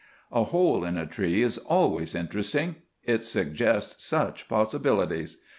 A hole in a tree is always interesting. It suggests such possibilities.